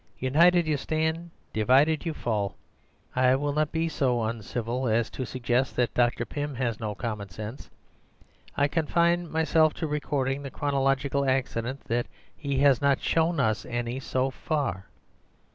United you stand; divided you fall. I will not be so uncivil as to suggest that Dr. Pym has no common sense; I confine myself to recording the chronological accident that he has not shown us any so far.